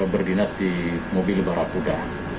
berdinas di mobil barah kuda